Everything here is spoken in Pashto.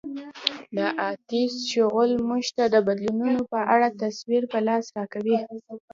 د اتیوس شغل موږ ته د بدلونونو په اړه تصویر په لاس راکوي